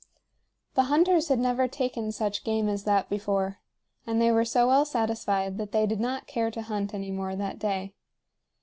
The hunters had never taken such game as that before, and they were so well satisfied that they did not care to hunt any more that day.